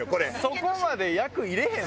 そこまで役入れへんで？